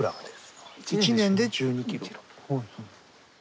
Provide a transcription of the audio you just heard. １年で１２ｋｇ？